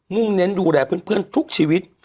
่งเน้นดูแลเพื่อนทุกชีวิต